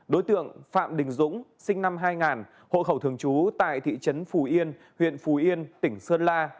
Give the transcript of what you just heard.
đối tượng phạm đình dũng sinh năm hai nghìn hộ khẩu thường trú tại thị trấn phù yên huyện phù yên tỉnh sơn la